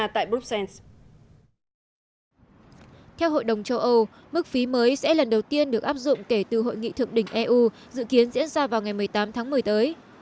theo hội đồng châu âu mức phí mới sẽ lần đầu tiên được áp dụng kể từ hội nghị thượng đỉnh eu dự kiến diễn ra vào ngày một mươi tám tháng một mươi tới